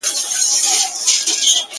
• نه احتیاج یمه د علم نه محتاج د هنر یمه ,